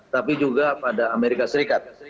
tapi juga pada amerika serikat